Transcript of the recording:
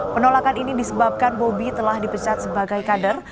penolakan ini disebabkan bobi telah dipecat sebagai kader